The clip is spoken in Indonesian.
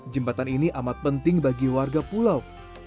jembatan ini amat penting bagi warga pulau